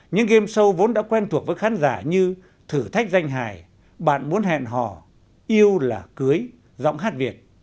những game show vốn đã quen thuộc với khán giả như thử thách danh hài bạn muốn hẹn hò yêu là cưới giọng hát việt